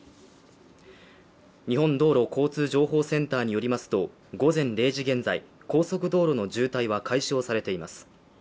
日本道路交通情報センターによりますと午前０時現在、高速道路の渋滞は解消されています。